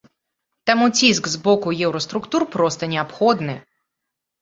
Таму ціск з боку еўраструктур проста неабходны.